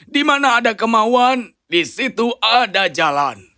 di mana ada kemauan di situ ada jalan